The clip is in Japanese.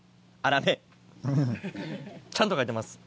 ちゃんと書いてます。